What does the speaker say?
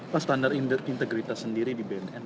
pak standar integritas sendiri di bnn